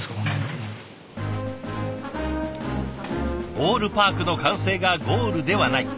ボールパークの完成がゴールではない。